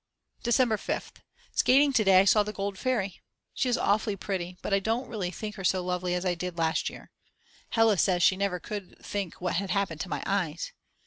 December 5th. Skating to day I saw the Gold Fairy. She is awfully pretty, but I really don't think her so lovely as I did last year. Hella says she never could think what had happened to my eyes.